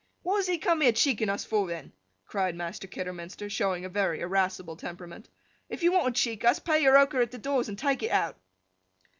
'What does he come here cheeking us for, then?' cried Master Kidderminster, showing a very irascible temperament. 'If you want to cheek us, pay your ochre at the doors and take it out.